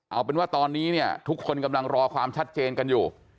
เอาเป็นว่าตอนนี้เนี่ยทุกคนกำลังรอความชัดเจนกันอยู่